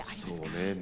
そうね。